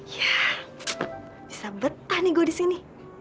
ya bisa betah nih gue di sini